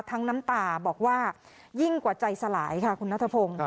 น้ำตาบอกว่ายิ่งกว่าใจสลายค่ะคุณนัทพงศ์